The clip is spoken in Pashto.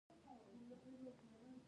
کاروانونه له چین څخه تر روم پورې تلل